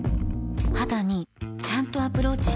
肌にちゃんとアプローチしてる感覚